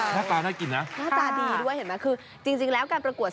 หน้าตาน่ากินนะค่ะ